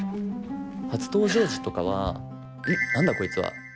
初登場時とかは「うん？何だこいつは。